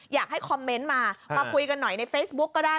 อยากให้คอมเมนต์มามาคุยกันหน่อยในเฟซบุ๊กก็ได้